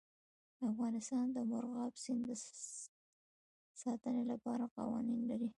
افغانستان د مورغاب سیند د ساتنې لپاره قوانین لري.